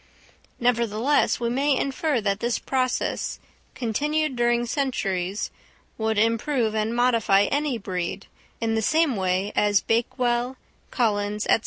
Nevertheless we may infer that this process, continued during centuries, would improve and modify any breed, in the same way as Bakewell, Collins, &c.